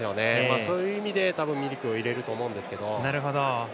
そういう意味で多分ミリクを入れると思いますが。